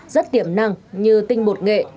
rất tiềm năng như tinh bột nghệ